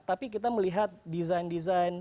tapi kita melihat desain desain